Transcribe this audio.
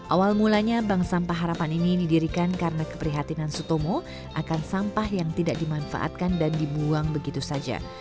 awal mulanya bank sampah harapan ini didirikan karena keprihatinan sutomo akan sampah yang tidak dimanfaatkan dan dibuang begitu saja